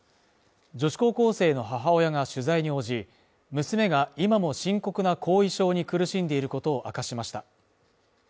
女子高校生の母親が取材に応じ、娘が今も深刻な後遺症に苦しんでいることを明かしました。